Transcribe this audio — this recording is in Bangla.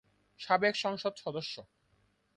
সাবেক সংসদ সদস্য।